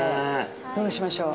どうしましょう。